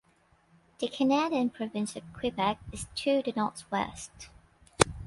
The Canadian province of Quebec is to the northwest.